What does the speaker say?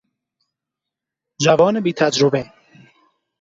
جوان بیتجربه